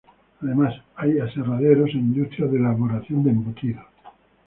Además hay aserraderos e industrias de elaboración de embutidos.